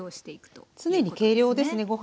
はい常に計量ですね